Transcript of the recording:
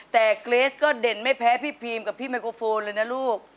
แต่เกรสก็เด่นไม่แพ้พี่พีมกับพี่ไมโครโฟนเลยนะลูก